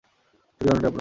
চুরি দণ্ডণীয় অপরাধ।